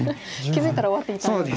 気付いたら終わっていたような。